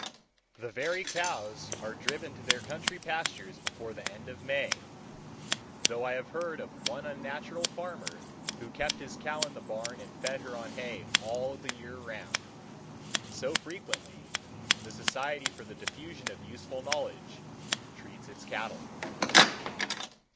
The very cows are driven to their country pastures before the end of May; though I have heard of one unnatural farmer who kept his cow in the barn and fed her on hay all the year round. So, frequently, the Society for the Diffusion of Useful Knowledge treats its cattle.